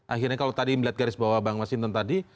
akhirnya kalau tadi melihat garis bawah bang mengesinton tadi